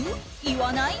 言わない？